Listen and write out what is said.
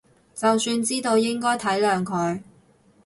就算知道應該體諒佢